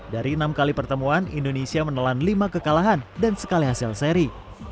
dari enam kali pertemuan indonesia menelan lima kekalahan dan sekali hasil seri